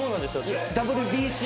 ＷＢＣ。